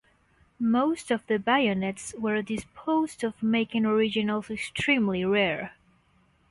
Most of the bayonets were disposed of making originals extremely rare.